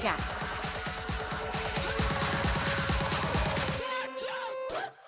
di petinggalan pake gelarlah